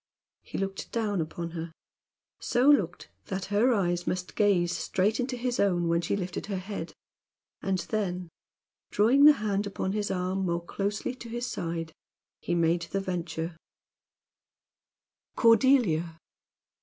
He looked down upon her so looked that her eyes must gaze straight into his own when she lifted her head, and then, drawing the hand upon his arm more closely to his side, he made the venture: "Cordelia!"